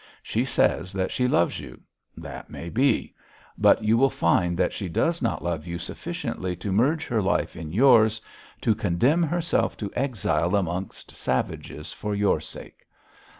She says that she loves you; that may be; but you will find that she does not love you sufficiently to merge her life in yours, to condemn herself to exile amongst savages for your sake.